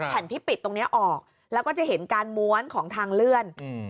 แผ่นที่ปิดตรงนี้ออกแล้วก็จะเห็นการม้วนของทางเลื่อน